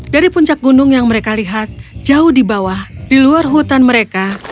dari puncak gunung yang mereka lihat jauh di bawah di luar hutan mereka